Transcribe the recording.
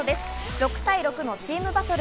６対６のチームバトル。